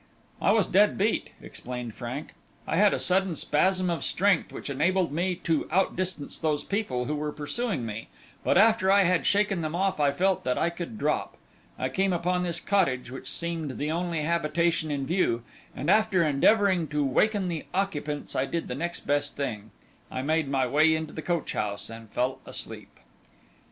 "I was dead beat," explained Frank. "I had a sudden spasm of strength which enabled me to out distance those people who were pursuing me, but after I had shaken them off I felt that I could drop. I came upon this cottage, which seemed the only habitation in view, and after endeavouring to waken the occupants I did the next best thing, I made my way into the coachhouse and fell asleep."